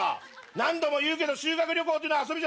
何度も言うけど修学旅行というのは遊びじゃない。